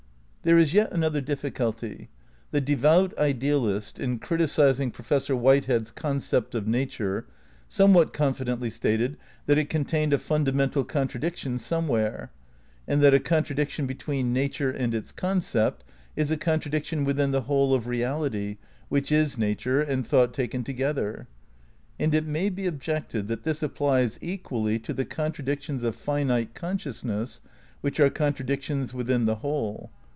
^ There is yet another difficulty. The devout ideahst, in criticising Professor Whitehead's Concept of Na ture, somewhat confidently stated that it contained a fundamental contradiction somewhere, and that a con tradiction between nature and its concept is a contradic tion within the whole of reality which is nature and thought taken together.^ And it may be objected that this applies equally to the contradictions of finite con sciousness which are contradictions within the whole.